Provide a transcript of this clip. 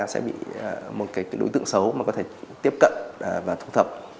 sẽ bị một cái đối tượng xấu mà có thể tiếp cận và thu thập